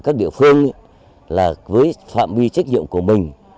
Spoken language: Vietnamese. các địa phương là với phạm vi trách nhiệm của mình